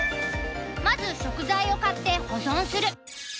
まず食材を買って保存する。